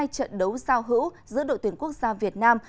hai trận đấu giao hữu giữa đội tuyển quốc gia việt nam